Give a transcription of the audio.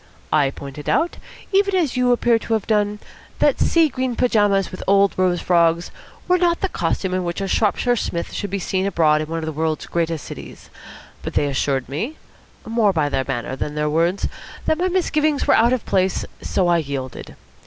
I pointed out, even as you appear to have done, that sea green pyjamas with old rose frogs were not the costume in which a Shropshire Psmith should be seen abroad in one of the world's greatest cities; but they assured me more by their manner than their words that my misgivings were out of place, so I yielded.